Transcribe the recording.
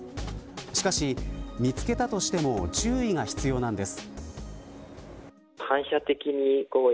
しかし、見つけたとしても注意が必要なんです。